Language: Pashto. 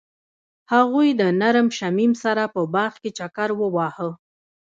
هغوی د نرم شمیم سره په باغ کې چکر وواهه.